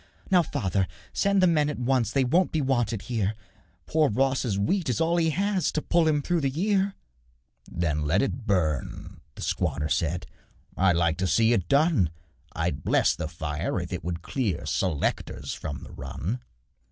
'Now, father, send the men at once, They won't be wanted here; Poor Ross's wheat is all he has To pull him through the year.' 'Then let it burn,' the squatter said; 'I'd like to see it done I'd bless the fire if it would clear Selectors from the run.